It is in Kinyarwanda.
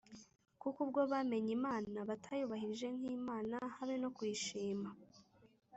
kuko ubwo bamenye Imana batayubahirije nk’Imana, habe no kuyishima